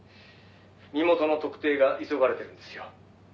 「身元の特定が急がれてるんですよ」